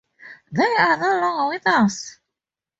They are no longer with us.